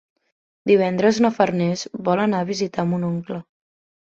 Divendres na Farners vol anar a visitar mon oncle.